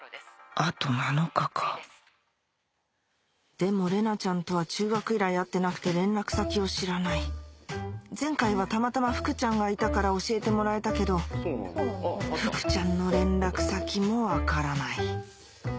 あと７日かでも玲奈ちゃんとは中学以来会ってなくて連絡先を知らない前回はたまたま福ちゃんがいたから教えてもらえたけど福ちゃんの連絡先も分からない